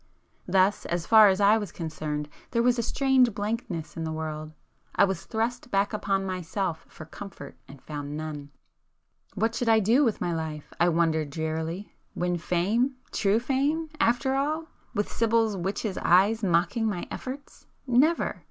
Thus, as far as I was concerned, there was a strange blankness in the world,—I was thrust back upon myself for comfort and found none. What should I do with my life, I wondered drearily! Win fame,—true fame,—after all? With Sibyl's witch eyes mocking my efforts?—never!